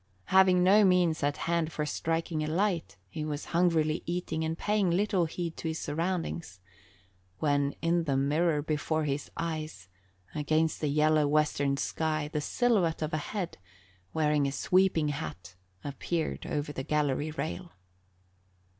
Having no means at hand for striking a light, he was hungrily eating and paying little heed to his surroundings, when in the mirror before his eyes, against the yellow western sky the silhouette of a head wearing a sweeping hat appeared over the gallery rail.